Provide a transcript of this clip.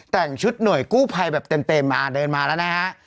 แต่งชุดหน่วยกู้ภัยแบบเต็มเดินมาแล้วนะฮะ